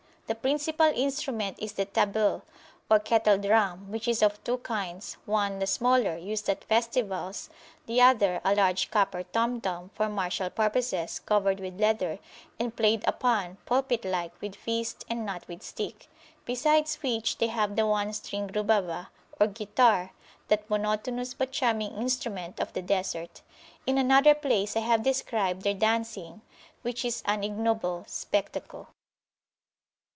The principal instrument is the Tabl, or kettle drum, which is of two kinds: one, the smaller, used at festivals; the other, a large copper tom tom, for martial purposes, covered with leather, and played upon, pulpit like, with fist, and not with stick. Besides which, they have the one stringed Rubabah, or guitar, that monotonous but charming instrument of the Desert. In another place I have described their dancing, which is an ignoble spectacle.